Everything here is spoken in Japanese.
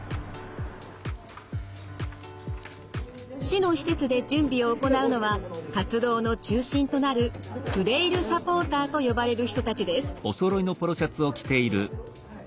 市の施設で準備を行うのは活動の中心となるフレイルサポーターと呼ばれる人たちです。